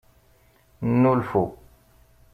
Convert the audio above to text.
Nnulfu.